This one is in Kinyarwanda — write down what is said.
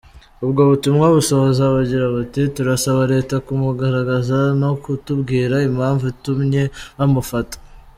Ubwo butumwa busoza bugira buti: “Turasaba leta kumugaragaza no kutubwira impamvu itumye bamufata.”